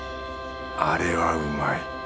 あれはうまい。